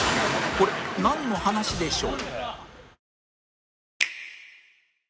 これなんの話でしょう？